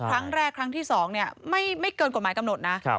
ครั้งแรกครั้งที่๒ไม่เกินกฎหมายกำหนดนะ